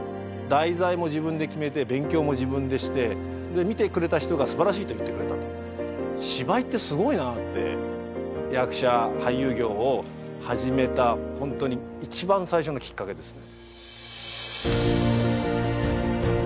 題材も自分で決めて勉強も自分でしてで見てくれた人が素晴らしいと言ってくれたと芝居ってすごいなって役者俳優業を始めたホントに一番最初のきっかけですね